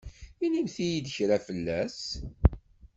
Inimt-yi-d kra fell-as.